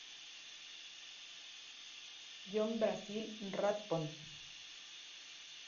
John Basil Rathbone.